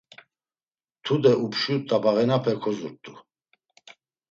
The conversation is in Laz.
Tude upşu tabağinape kozurt̆u.